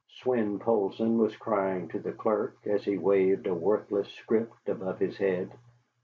Swein Poulsson was crying to the clerk, as he waved a worthless scrip above his head.